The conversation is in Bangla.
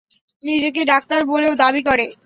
নিজেকে ডাক্তার বলেও দাবি করে!